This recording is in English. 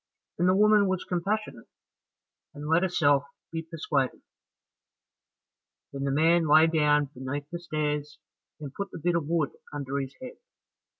and the woman was compassionate, and let herself be persuaded. Then the man lay down beneath the stairs, and put the bit of wood under his head.